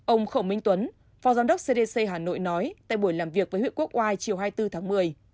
ông khổng minh tuấn phó giám đốc cdc hà nội nói tại buổi làm việc với huyện quốc oai chiều hai mươi bốn tháng một mươi